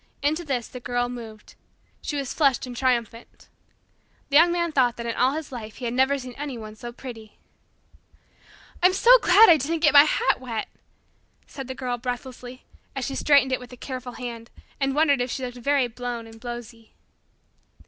Into this the Girl moved. She was flushed and triumphant. The Young Man thought that in all his life he had never seen anyone so pretty. "I'm so glad I didn't get my hat wet," said the Girl breathlessly, as she straightened it with a careful hand and wondered if she looked very blown and blowsy.